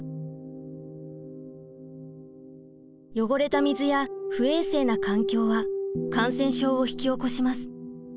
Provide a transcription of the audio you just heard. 汚れた水や不衛生な環境は感染症を引き起こします。